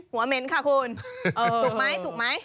หัวเม้นค่ะคุณถูกไหมถูกไหม